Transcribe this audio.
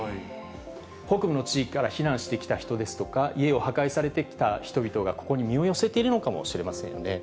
北部の地域から避難してきた人ですとか、家を破壊されてきた人々がここに身を寄せているのかもしれませんよね。